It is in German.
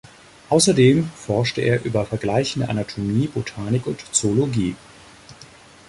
Außerdem forschte er über vergleichende Anatomie, Botanik und Zoologie.